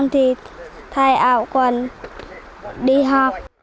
xong thì thay áo quần đi học